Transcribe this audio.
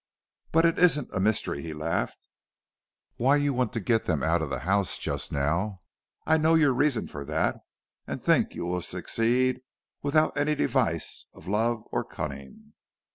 "But it isn't a mystery," he laughed, "why you want to get them out of the house just now. I know your reason for that, and think you will succeed without any device of love or cunning."